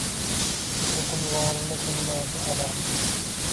Tutuqunvonini bilmaydi alar